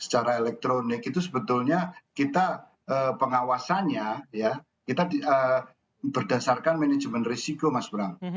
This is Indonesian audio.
secara elektronik itu sebetulnya kita pengawasannya ya kita berdasarkan manajemen risiko mas bram